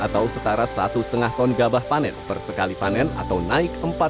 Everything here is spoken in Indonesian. atau setara satu lima ton gabah panen per sekali panen atau naik